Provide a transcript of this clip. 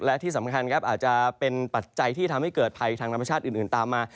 และที่สำคัญครับอาจจะเป็นปัจจัยที่ทำให้เกิดภัยทางธรรมชาติอื่นตามมา